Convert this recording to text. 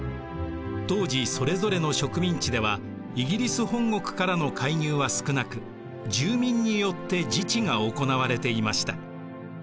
当時それぞれの植民地ではイギリス本国からの介入は少なく住民によって自治が行われていました。